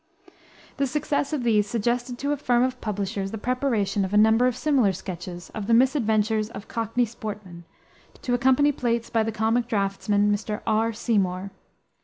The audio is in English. The success of these suggested to a firm of publishers the preparation of a number of similar sketches of the misadventures of cockney sportsmen, to accompany plates by the comic draughtsman, Mr. R. Seymour.